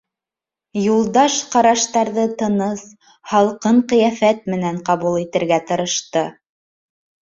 Юлдаш ҡараштарҙы тыныс, һалҡын ҡиәфәт менән ҡабул итергә тырышты.